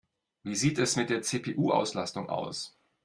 Wie sieht es mit der CPU-Auslastung aus?